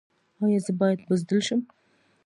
ایا زه باید بزدل شم؟